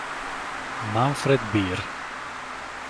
Manfred Beer